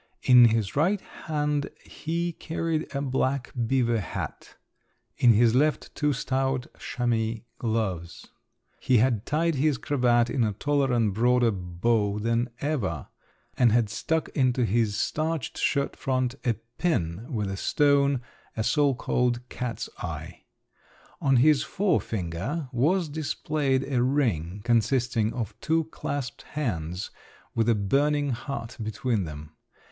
In his right hand he carried a black beaver hat, in his left two stout chamois gloves; he had tied his cravat in a taller and broader bow than ever, and had stuck into his starched shirt front a pin with a stone, a so called "cat's eye." On his forefinger was displayed a ring, consisting of two clasped hands with a burning heart between them.